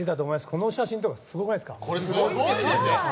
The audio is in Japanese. この写真、すごくないですか？